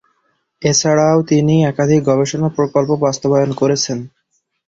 এছাড়াও তিনি একাধিক গবেষণা প্রকল্প বাস্তবায়ন করেছেন।